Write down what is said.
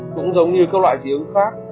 cũng giống như các loại dị ứng khác